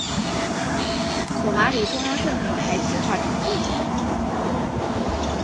索马里中央政府还计划成立。